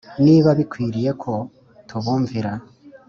niba bikwiriye ko tubumvira